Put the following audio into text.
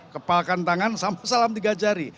kepalkan tangan sampai salam tiga jari